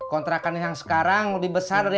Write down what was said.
kontrakan yang sekarang lebih besar dari yang tadi